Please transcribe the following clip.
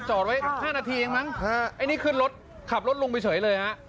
จอดไว้๕นาทีเองมั้งไอ้นี่ขึ้นรถขับรถลงไปเฉยเลยฮะ